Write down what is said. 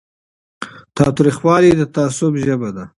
تاوتریخوالی د تعصب ژبه ده